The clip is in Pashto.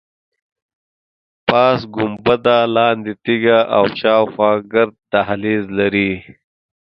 پاس ګنبده، لاندې تیږه او شاخوا ګرد دهلیز لري.